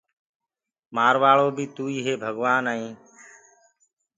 مآروآݪو بيٚ توئيٚ هي ڀگوآن ائين